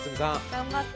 頑張って。